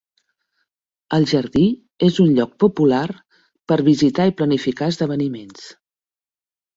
El jardí és un lloc popular per visitar i planificar esdeveniments.